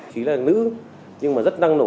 chị là nữ nhưng mà rất năng nổ